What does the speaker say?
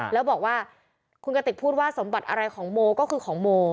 แล้วบอกว่าคุณกติกพูดว่าสมบัติอะไรของโมก็คือของโม